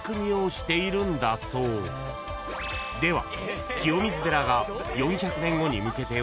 では］